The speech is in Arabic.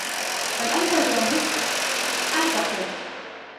«هل أنت جاهز؟» «أعتقد.»